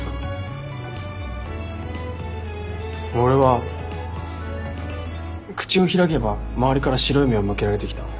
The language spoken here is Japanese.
俺は口を開けば周りから白い目を向けられてきた。